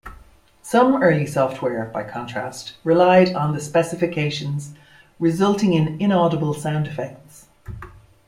Some early software, by contrast, relied on the specifications, resulting in inaudible sound effects.